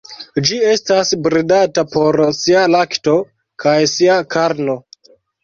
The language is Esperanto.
Ĝi estas bredata por sia lakto kaj sia karno.